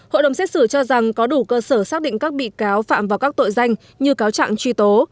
hội đồng xét xử cho rằng có đủ cơ sở xác định các bị cáo phạm vào các tội danh như cáo trạng truy tố